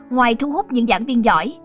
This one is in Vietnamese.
ngoài thu hút những giảng viên giỏi